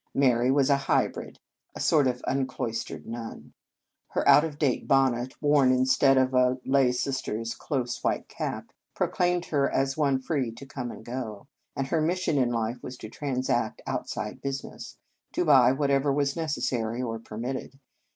Mary was a hybrid, a sort of unclois 125 In Our Convent Days tered nun. Her out of date bonnet, worn instead of a lay sister s close white cap, proclaimed her as one free to come and go; and her mission in life was to transact outside business, to buy whatever was necessary or permitted.